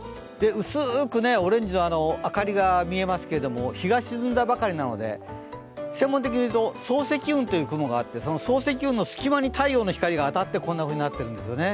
薄くオレンジの明かりが見えますけど日が沈んだばかりなので専門的にいうと層積雲という雲があって、その隙間に太陽の光が当たって、こんなふうになってるんですよね。